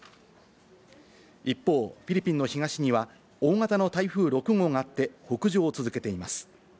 一方、フィリピンの東には大型の台風６号があって北上を続けています。